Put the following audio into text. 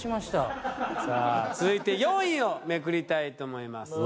続いて４位をめくりたいと思います